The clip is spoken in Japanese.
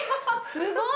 すごい！